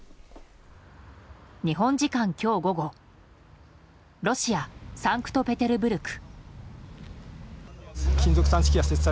日本時間今日午後ロシア・サンクトペテルブルク。